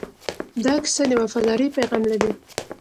دا کیسه د وفادارۍ پیغام لري.